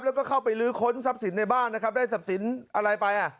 แล้วก็เข้าไปลื้อค้นทรัพย์สินในบ้านนะครับได้ทรัพย์สินอะไรไปอ่ะ